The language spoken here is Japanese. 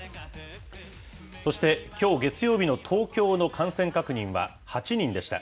そして、きょう月曜日の東京の感染確認は８人でした。